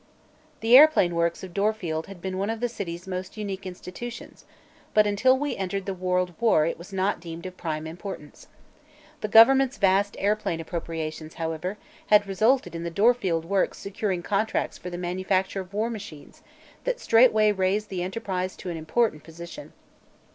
The airplane works of Dorfield had been one of the city's most unique institutions, but until we entered the World War it was not deemed of prime importance. The government's vast airplane appropriations, however, had resulted in the Dorfield works securing contracts for the manufacture of war machines that straightway raised the enterprise to an important position.